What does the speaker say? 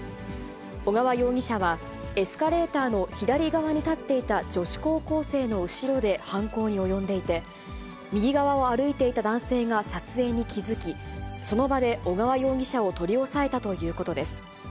小川容疑者は、エスカレーターの左側に立っていた女子高校生の後ろで犯行に及んでいて、右側を歩いていた男性が撮影に気付き、その場で小川容疑者を取り押さえたということです。